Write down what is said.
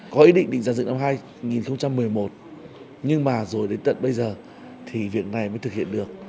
có ý định định giả dựng năm hai nghìn một mươi một nhưng mà rồi đến tận bây giờ thì việc này mới thực hiện được